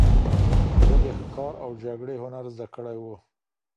ده د ښکار او جګړې هنر زده کړی و